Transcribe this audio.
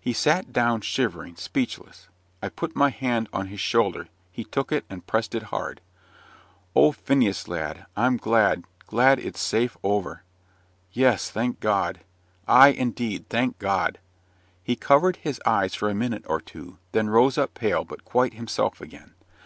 He sat down, shivering, speechless. I put my hand on his shoulder; he took it and pressed it hard. "Oh! Phineas, lad, I'm glad; glad it's safe over." "Yes, thank God!" "Ay, indeed; thank God!" He covered his eyes for a minute or two, then rose up pale, but quite himself again.